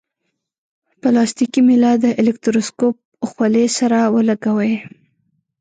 پلاستیکي میله د الکتروسکوپ خولې سره ولګوئ.